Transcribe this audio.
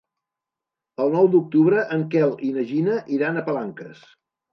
El nou d'octubre en Quel i na Gina iran a Palanques.